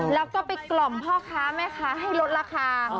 แล้วก็ไปกล่อมพ่อค้าแม่ค้าให้ลดราคา